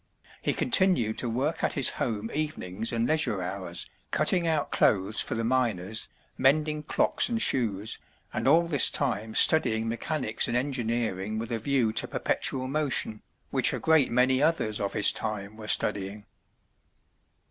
He continued to work at his home evenings and leisure hours, cutting out clothes for the miners, mending clocks and shoes, and all this time studying mechanics and engineering with a view to perpetual motion, which a great many others of his time were studying.